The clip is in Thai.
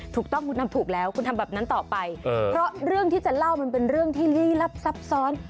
ถูกต้องคุณทำถูกแล้วคุณทำแบบนั้นต่อไปเพราะเรื่องที่จะเล่ามันเป็นเรื่องที่ลี้ลับซับซ้อน